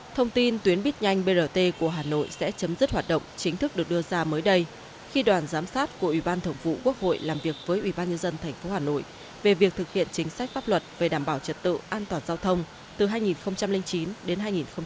thông tin tuyến bít nhanh brt của hà nội sẽ chấm dứt hoạt động chính thức được đưa ra mới đây khi đoàn giám sát của ủy ban thượng vụ quốc hội làm việc với ủy ban nhân dân tp hà nội về việc thực hiện chính sách pháp luật về đảm bảo trật tự an toàn giao thông từ hai nghìn chín đến hai nghìn một mươi chín